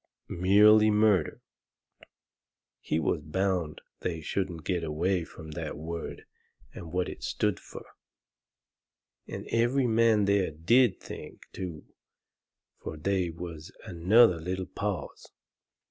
Merely murder." He was bound they shouldn't get away from that word and what it stood fur. And every man there DID think, too, fur they was another little pause.